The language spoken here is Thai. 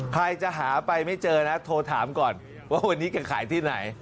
ใครจะหาไปไม่เจอนะโทรถามก่อนว่าวันนี้แกขายที่ไหน